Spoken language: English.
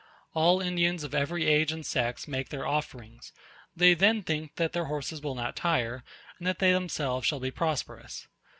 All Indians of every age and sex make their offerings; they then think that their horses will not tire, and that they themselves shall be prosperous.